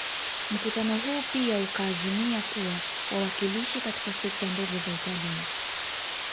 Mkutano huu pia ukaazimia kuwa wawakilishi katika sekta ndogo za utalii